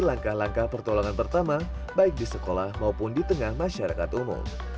langkah langkah pertolongan pertama baik di sekolah maupun di tengah masyarakat umum